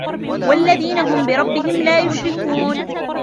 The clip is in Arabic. والذين هم بربهم لا يشركون